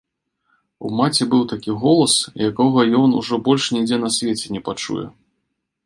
У маці быў такі голас, якога ён ужо больш нідзе на свеце не пачуе.